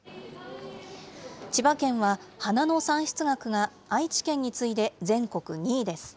千葉県は、花の産出額が愛知県に次いで全国２位です。